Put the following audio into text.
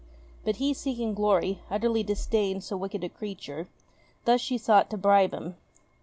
But he, seeking glory, utterly disdained so wicked a creature ; thus she sought to bribe him.